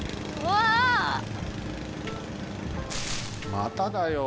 まただよ。